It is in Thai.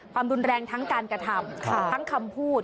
ความรุนแรงทั้งการกระทำทั้งคำพูด